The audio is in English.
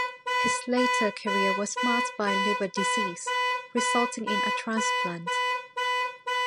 His later career was marked by liver disease, resulting in a transplant.